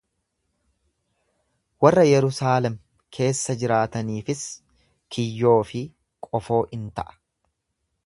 Warra Yerusaalem keessa jiraataniifis kiyyoofii qofoo in ta'a.